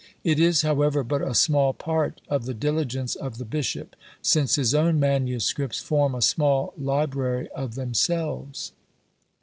It is, however, but a small part of the diligence of the bishop, since his own manuscripts form a small library of themselves.